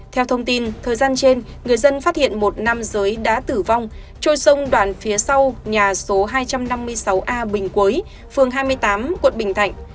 theo thông tin thời gian trên người dân phát hiện một nam giới đã tử vong trôi sông đoạn phía sau nhà số hai trăm năm mươi sáu a bình quế phường hai mươi tám quận bình thạnh